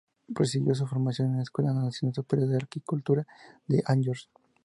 Prosiguió su formación en la Escuela nacional superior de horticultura de Angers.